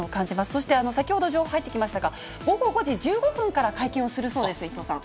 そして先ほど情報入ってきましたが、午後５時１５分から会見をするそうです、伊藤さん。